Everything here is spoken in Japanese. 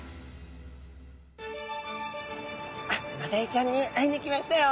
マダイちゃんに会いに来ましたよ！